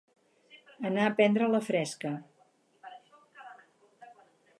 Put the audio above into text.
Anar a prendre la fresca.